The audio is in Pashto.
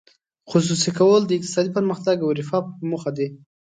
خصوصي کول د اقتصادي پرمختګ او رفاه په موخه دي.